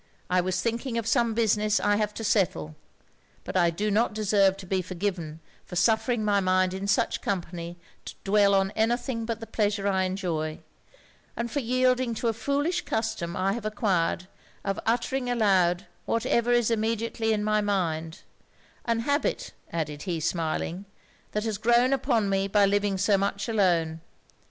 I was thinking of some business I have to settle; but I do not deserve to be forgiven for suffering my mind in such company to dwell on any thing but the pleasure I enjoy; and for yielding to a foolish custom I have acquired of uttering aloud whatever is immediately in my mind; an habit,' added he, smiling, 'that has grown upon me by living so much alone.